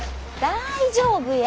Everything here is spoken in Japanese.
大丈夫や。